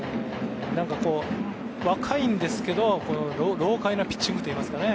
若いんですけど老獪なピッチングといいますかね。